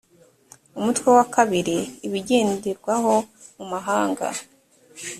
umutwe wa kabiri ibigenderwaho mu mahanga